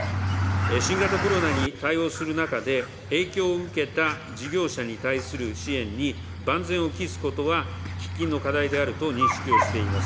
新型コロナに対応する中で、影響を受けた事業者に対する支援に万全を期すことは喫緊の課題であると認識をしています。